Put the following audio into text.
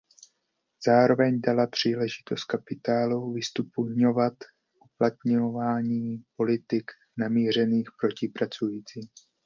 Zároveň dala příležitost kapitálu vystupňovat uplatňování politik namířených proti pracujícím.